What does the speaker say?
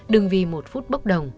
đừng vì một phút bốc đồng